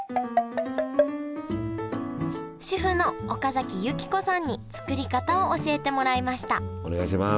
主婦の岡崎由紀子さんに作り方を教えてもらいましたお願いします